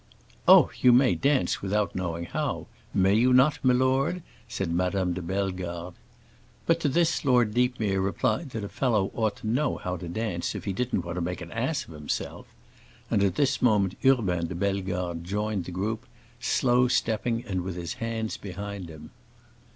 "Oh, you may dance without knowing how; may you not, milord?" said Madame de Bellegarde. But to this Lord Deepmere replied that a fellow ought to know how to dance if he didn't want to make an ass of himself; and at this moment Urbain de Bellegarde joined the group, slow stepping and with his hands behind him.